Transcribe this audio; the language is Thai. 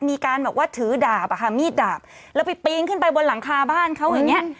มีการถือดาบมีดดาบแล้วไปปีนขึ้นไปบนหลังคาบ้านเขาอย่างนี้